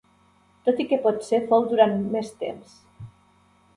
Tot i que potser fou durant més temps.